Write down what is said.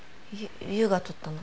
ゆ優が撮ったの？